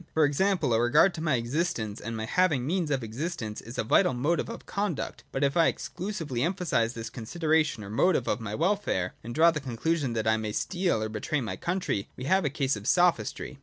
For example, a regard to my existence, and my having the means of existence, is a vital motive of conduct, but if I exclusively emphasise this consideration or motive of my welfare, and draw the conclusion that I may steal or betray my country, we have a case of Sophistry.